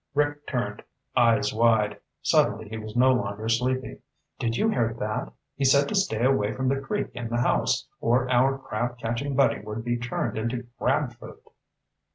Rick turned, eyes wide. Suddenly he was no longer sleepy. "Did you hear that? He said to stay away from the creek and the house, or our crab catching buddy would be turned into crab food!"